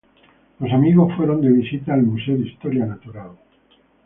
Los amigos fueron de visita al Museo de historia natural.